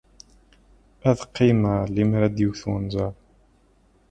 Ad qqimeɣ lemmer ad d-iwet wenẓar.